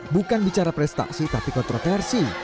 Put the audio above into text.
bukan bicara prestasi tapi kontroversi